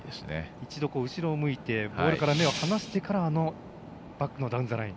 一度、後ろを向いてボールから目を離してからバックのダウンザライン。